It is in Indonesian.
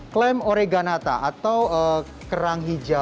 klaim oreganata atau kerang hijau